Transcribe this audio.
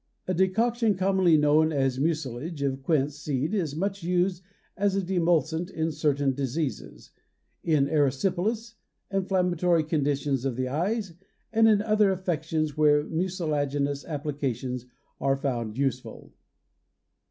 A decoction commonly known as mucilage of quince seed is much used as a demulcent in certain diseases in erysipelas, inflammatory conditions of the eyes and in other affections where mucilaginous applications are found useful.